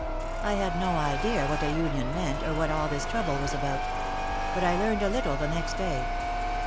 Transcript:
I had no idea what a union meant or what all this trouble was about. But I learned a little the next day.